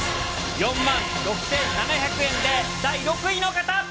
４万６７００円で、第６位の方。